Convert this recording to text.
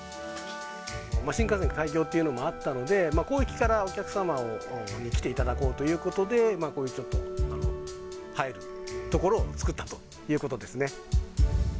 新幹線開業というのもあったので、広域からお客様に来ていただこうということで、こういうちょっと、映える所を作ったということですね。